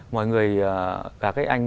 mọi người cả các anh